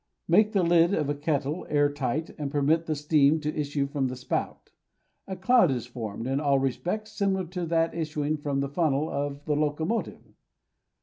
Make the lid of a kettle air tight, and permit the steam to issue from the spout; a cloud is formed in all respects similar to that issuing from the funnel of the locomotive.